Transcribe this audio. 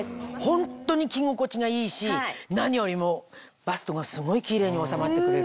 ホントに着心地がいいし何よりもバストがすごいキレイに収まってくれる。